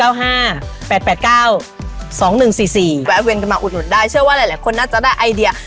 แวะเวียนกันมาอุดหนุนได้เชื่อว่าหลายคนน่าจะได้ไอเดีย